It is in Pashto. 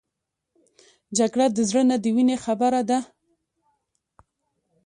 جګړه د زړه نه د وینې خبره ده